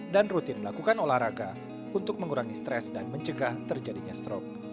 dan rutin melakukan olahraga untuk mengurangi stres dan mencegah terjadinya stroke